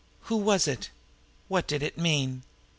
Who was it? What did it mean?